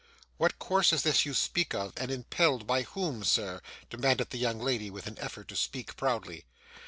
'What course is this you speak of, and impelled by whom, sir?' demanded the young lady, with an effort to speak proudly.